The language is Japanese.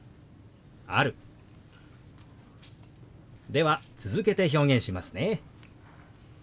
では続けて表現しますね。